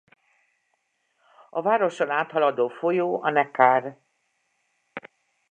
A városon áthaladó folyó a Neckar.